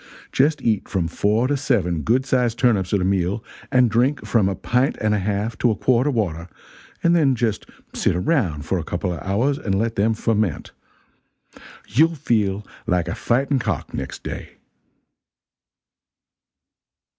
Just eat from four to seven good sized turnips at a meal, and drink from a pint and a half to a quart of water, and then just sit around a couple of hours and let them ferment. You'll feel like a fighting cock next day."